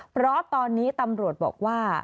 เพราะตอนนี้ตำรวจบอกว่า